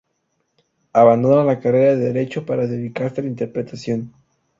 Abandona la carrera de Derecho para dedicarse a la interpretación.